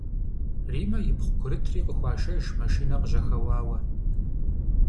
Риммэ ипхъу курытри къыхуашэж машинэ къыжьэхэуауэ.